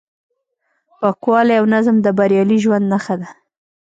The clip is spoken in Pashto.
پاکوالی او نظم د بریالي ژوند نښه ده.